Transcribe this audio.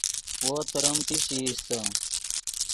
وو تریم چی چے ایستے